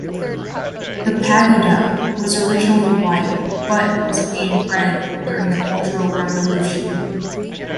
The Pagoda was originally white, but was painted red during the cultural revolution.